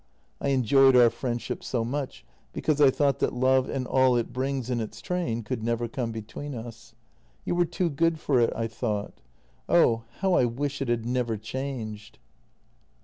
I enjoyed our friendship so much, because I thought that love and all it brings in its train could never come between us. You were too good for it, I thought. Oh, how I wish it had never changed!